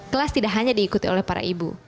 kelas tidak hanya diikuti oleh para ibu